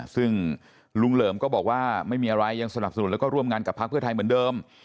ซึ่งลุงเหลิมก็บอกว่าไม่มีอะไรยังสนับสนุนแล้วก็ร่วมงานกับพักเพื่อไทยเหมือนเดิม